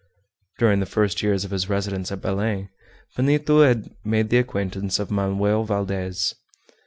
During the first years of his residence at Belem, Benito had made the acquaintance of Manoel Valdez.